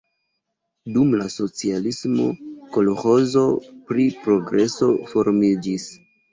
Dum la socialismo kolĥozo pri Progreso formiĝis.